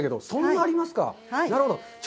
なるほど。